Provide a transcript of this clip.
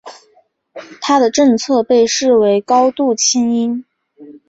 他的政策被视为高度亲英。